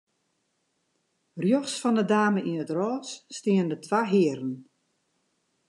Rjochts fan 'e dame yn it rôs steane twa hearen.